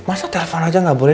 masa telfon aja gak boleh